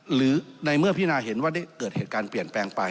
หรือในเมื่อพินาเห็นว่าได้เกิดเหตุการณ์เปลี่ยนแปลงไป